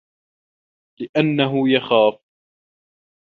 لِأَنَّهُ يَخَافُ